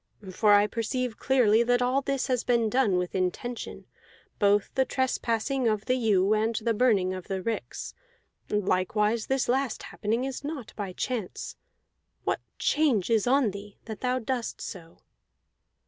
For I perceive clearly that all this has been done with intention, both the trespassing of the ewe and the burning of the ricks; likewise this last happening is not by chance. What change is on thee, that thou doest so?"